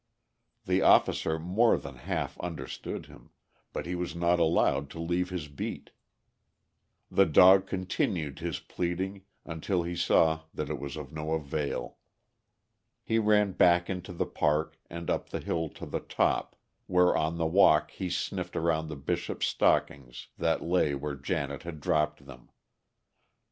The officer more than half understood him, but he was not allowed to leave his beat. The dog continued his pleading until he saw that it was of no avail. He ran back into the park and up the hill to the top, where on the walk he sniffed around the Bishop's stockings that lay where Janet had dropped them.